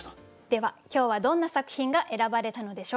では今日はどんな作品が選ばれたのでしょうか。